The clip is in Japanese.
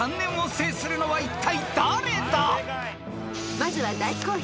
［まずは大好評